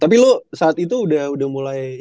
tapi lo saat itu udah mulai